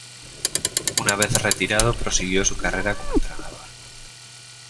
Una vez retirado, prosiguió su carrera como entrenador.